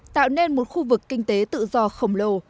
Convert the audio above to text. tạo nên một khu vực kinh tế tự do khổng lồ